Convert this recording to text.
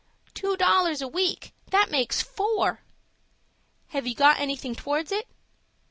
"Two dollars a week—that makes four." "Have you got anything towards it?"